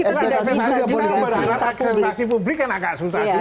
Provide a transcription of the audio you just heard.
ekspektasi publik kan agak susah